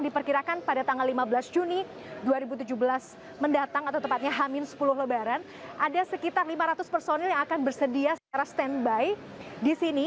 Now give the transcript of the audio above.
diperkirakan pada tanggal lima belas juni dua ribu tujuh belas mendatang atau tepatnya hamin sepuluh lebaran ada sekitar lima ratus personil yang akan bersedia secara standby di sini